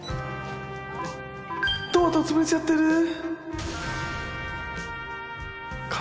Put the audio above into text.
トマト潰れちゃってるー！！